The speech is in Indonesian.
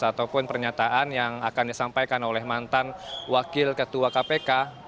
ataupun pernyataan yang akan disampaikan oleh mantan wakil ketua kpk